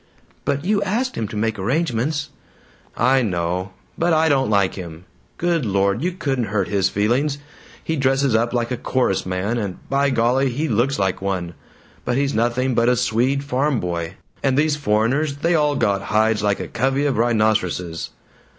"But you asked him to make arrangements." "I know, but I don't like him. Good Lord, you couldn't hurt his feelings! He dresses up like a chorus man and, by golly, he looks like one! but he's nothing but a Swede farm boy, and these foreigners, they all got hides like a covey of rhinoceroses